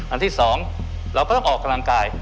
อันที่๒เราก็ต้องออกกำลังกาย